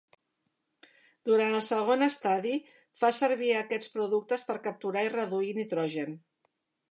Durant el segon estadi, fa servir aquests productes per capturar i reduir nitrogen.